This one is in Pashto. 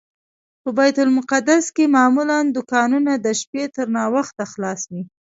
په بیت المقدس کې معمولا دوکانونه د شپې تر ناوخته خلاص وي.